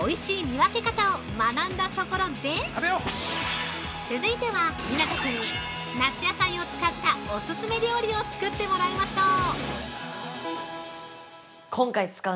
見分け方を学んだところで続いては、湊くんに夏野菜を使ったオススメ料理を作ってもらいましょう！